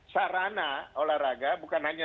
sarana olahraga bukan hanya